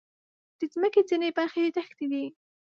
د مځکې ځینې برخې دښتې دي.